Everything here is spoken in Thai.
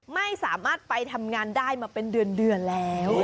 ไม่สามารถไปทำงานได้มาเป็นเดือนแล้ว